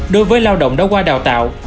đối với lao động đối qua đào tạo